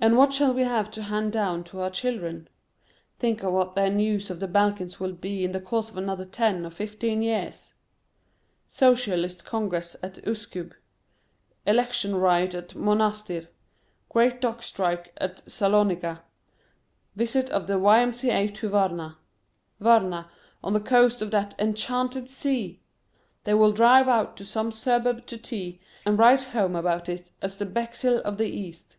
And what shall we have to hand down to our children? Think of what their news from the Balkans will be in the course of another ten or fifteen years. Socialist Congress at Uskub, election riot at Monastir, great dock strike at Salonika, visit of the Y.M.C.A. to Varna. Varna—on the coast of that enchanted sea! They will drive out to some suburb to tea, and write home about it as the Bexhill of the East.